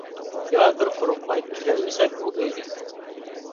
يا بىر قورقماي كىرەلمىسەك ئۇ ئۆيگە!